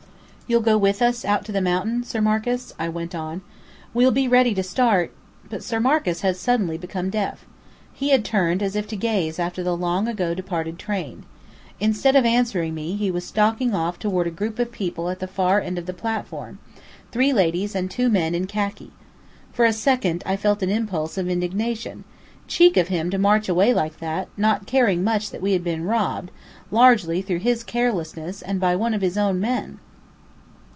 "You'll go out with us to the mountain, Sir Marcus?" I went on. "We'll be ready to start " But Sir Marcus had suddenly become deaf. He had turned as if to gaze after the long ago departed train. Instead of answering me, he was stalking off toward a group of people at the far end of the platform: three ladies and two men in khaki. For a second I felt an impulse of indignation. Cheek of him to march away like that, not caring much that we had been robbed, largely through his carelessness, and by one of his own men!